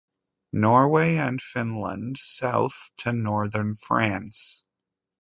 Norway and Finland South to northern France.